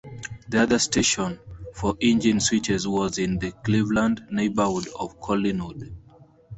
The other station for engine switches was in the Cleveland neighborhood of Collinwood.